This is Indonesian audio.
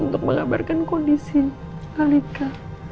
untuk mengabarkan kondisi malika